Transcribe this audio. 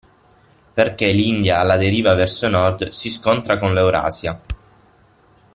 Perché l'India alla deriva verso nord si scontra con l'Eurasia.